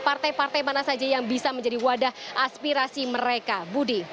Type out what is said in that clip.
partai partai mana saja yang bisa menjadi wadah aspirasi mereka budi